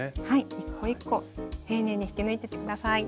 一個一個丁寧に引き抜いてって下さい。